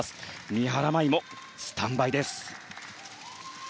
三原舞依も、スタンバイです。